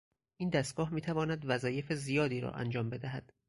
این دستگاه میتواند وظایف زیادی را انجام بدهد.